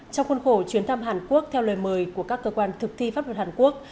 trong khuôn khổ chuyến thăm hàn quốc theo lời mời của các cơ quan thực thi pháp luật hàn quốc